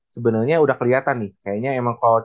sebenernya udah keliatan nih kayaknya emang